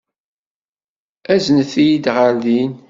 Aznet-iyi ɣer din.